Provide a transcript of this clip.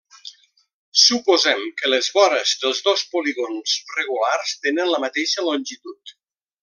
Suposem que les vores dels dos polígons regulars tenen la mateixa longitud.